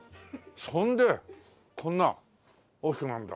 それでこんな大きくなるんだ。